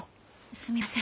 すみません。